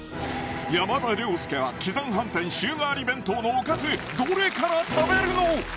山田涼介は喜山飯店週替わり弁当のおかずどれから食べるの？